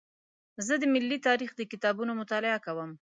زه د ملي تاریخ د کتابونو مطالعه کوم.